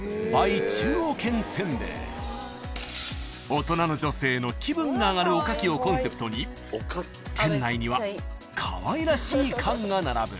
［大人の女性の気分が上がるおかきをコンセプトに店内にはかわいらしい缶が並ぶ］